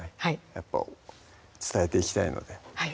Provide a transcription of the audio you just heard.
やっぱ伝えていきたいのでは